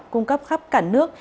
cung cấp khắp cả nước